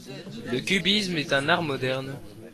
Le cubisme est un art moderne.